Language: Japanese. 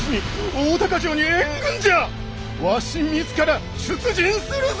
わし自ら出陣するぞ！